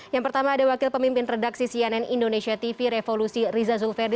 yang pertama ada wakil pemimpin redaksi cnn indonesia tv revolusi riza zulferdi